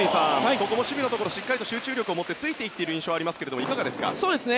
ここも守備のところしっかりと集中力を持ってついていっている印象ありますがいかがですか。